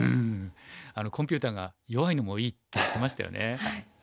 コンピューターが弱いのもいいって言ってましたよね。